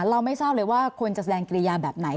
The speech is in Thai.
เราไม่ทราบเลยว่าควรจะแสดงกิริยาแบบไหน